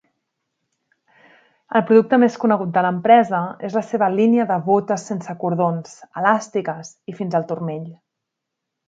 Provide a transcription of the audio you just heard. El producte més conegut de l'empresa és la seva línia de botes sense cordons, elàstiques i fins al turmell.